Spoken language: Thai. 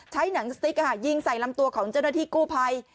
หนังสติ๊กยิงใส่ลำตัวของเจ้าหน้าที่กู้ภัย